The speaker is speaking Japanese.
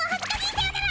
さよなら！